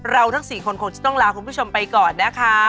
ทั้ง๔คนคงจะต้องลาคุณผู้ชมไปก่อนนะคะ